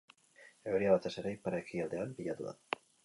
Euria, batez ere, ipar-ekialdean pilatu da.